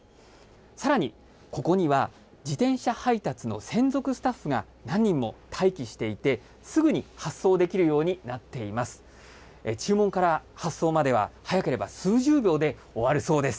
さらに、ここには自転車配達の専属スタッフが何人も待機していて、すぐに発送できるようになっています。